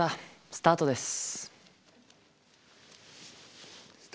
スタートです。